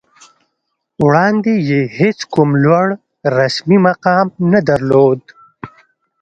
وړاندې یې هېڅ کوم لوړ رسمي مقام نه درلود